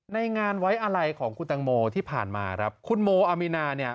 ในงานไว้อะไรของคุณตังโมที่ผ่านมาครับคุณโมอามีนาเนี่ย